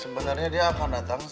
sebenarnya dia akan datang